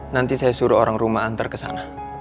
nanti saya suruh orang rumah antar kesana